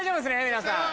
皆さん。